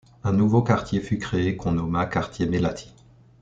Un nouveau quartier fut créé qu'on nomma quartier Melati.